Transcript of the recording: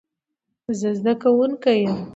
زه زدکونکې ېم